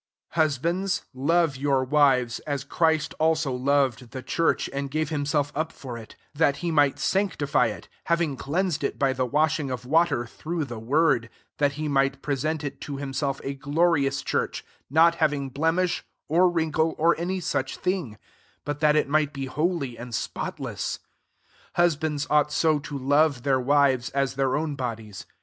25 Husbands, love your wives, as Chrbt also loved the church, and gave himself up for it ; 26 that he might sancti fy it, having cleansed it by the washing of water, through the word ; 27 that he might pre sent // to himself a glorious church, not having blemish, or wrinkle, or any such thing; but that it might be holy and spotless. 28 Husbands ought so to love their wives, as their own bodies.